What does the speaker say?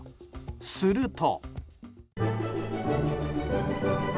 すると。